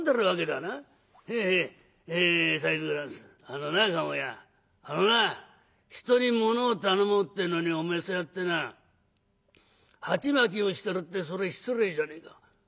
「あのな駕籠屋あのな人にものを頼もうってのにおめえそうやってな鉢巻きをしてるってそれ失礼じゃねえか」。